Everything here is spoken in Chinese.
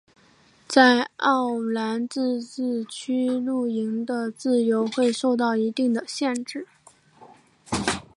在奥兰自治区露营的自由会受到一定的限制。